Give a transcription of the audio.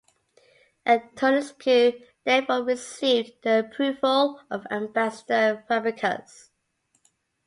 Antonescu therefore received the approval of Ambassador Fabricius.